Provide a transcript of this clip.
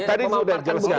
tadi sudah jelaskan